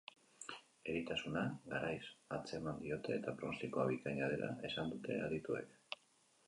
Eritasuna garaiz atzeman diote eta pronostikoa bikaina dela esan dute adituek.